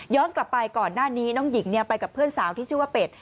กลับไปก่อนหน้านี้น้องหญิงไปกับเพื่อนสาวที่ชื่อว่าเป็ด